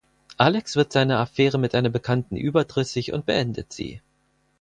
Alex wird seiner Affäre mit einer Bekannten überdrüssig und beendet sie.